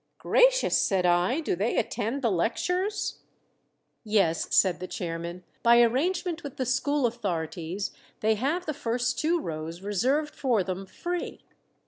"Gracious!" said I. "Do they attend the lectures?" "Yes," said the chairman. "By arrangement with the school authorities they have the first two rows reserved for them free."